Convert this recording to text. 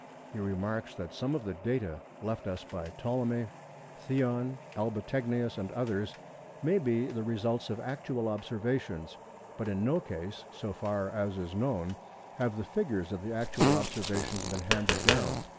He remarks that some of the data left us by Ptolemy, Theon, Albategnius and others may be the results of actual observations, but in no case, so far as is known, have the figures of the actual observations been handed down.